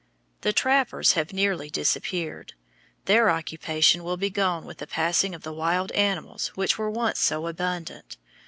The trappers have nearly disappeared. Their occupation will be gone with the passing of the wild animals which were once so abundant.